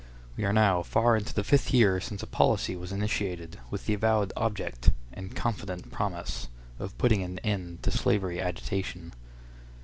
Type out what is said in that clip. We are now far into the fifth year since a policy was initiated with the avowed object, and confident promise, of putting an end to slavery agitation.